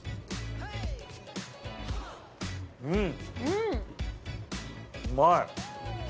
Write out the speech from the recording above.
うん！